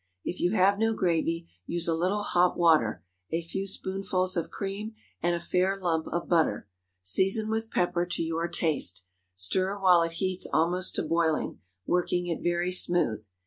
If you have no gravy, use a little hot water, a few spoonfuls of cream, and a fair lump of butter. Season with pepper to your taste. Stir while it heats almost to boiling, working it very smooth.